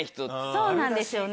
そうなんですよね。